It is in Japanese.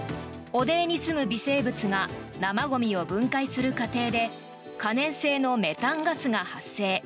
汚泥にすむ微生物が生ゴミを分解する過程で可燃性のメタンガスが発生。